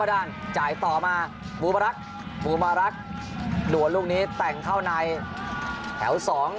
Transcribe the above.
ระมดานจ่ายต่อมาบูมลักษณะบูมลักษณ์ด่วนลูกนี้แต่งเข้าในแถว๒